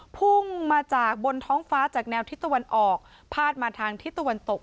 พุ่งมาจากบนท้องฟ้าจากแนวทิศตะวันออกพาดมาทางทิศตะวันตก